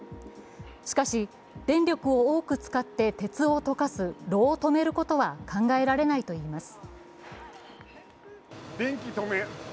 しかし、電力を多く使って鉄を溶かす炉を止めることは考えられないといいます。